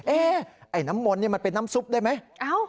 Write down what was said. ไอ้น้ำมนต์นี่มันเป็นน้ำซุปได้ไหม